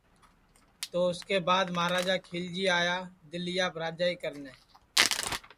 تو اُس کے بعد مہاراجا کھیلجی آیا دِلیاپ راجائی کرنے